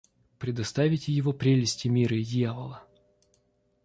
Предоставите его прелести мира и дьявола?